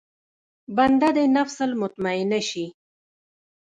بنده دې النفس المطمئنه شي.